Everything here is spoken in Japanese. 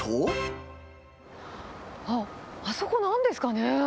あっ、あそこなんですかね？